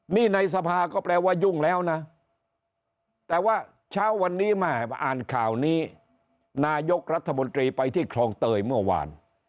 นี่ในสภาก็แปลว่ายุ่งแล้วนะแต่ว่าเช้าวันนี้แม่อ่านข่าวนี้นายกรัฐมนตรีไปที่คลองเตยเมื่อวาน